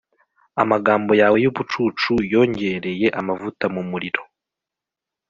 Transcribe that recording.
amagambo yawe yubucucu yongereye amavuta mumuriro